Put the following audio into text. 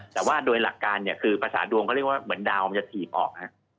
แต่ว่าด้วยหลักการประสาทดวงเขาเรียกว่าเหมือนดาวจะสี่ออก